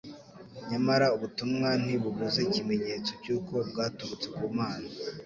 Nyamara ubutumwa ntibubuze ikimenyetso cy'uko bwaturutse ku Mana.